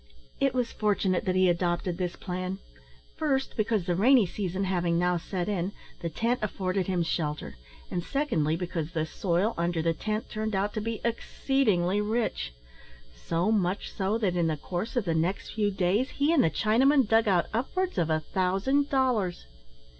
It was fortunate that he adopted this plan: first, because the rainy season having now set in, the tent afforded him shelter; and secondly, because the soil under the tent turned out to be exceedingly rich so much so, that in the course of the next few days he and the Chinaman dug out upwards of a thousand dollars.